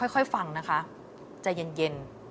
ค่อยฟังนะคะใจเย็น